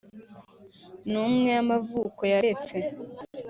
N umwe y amavuko kereste